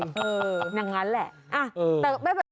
เอออย่างนั้นแหละอ่ะแต่แม่เออ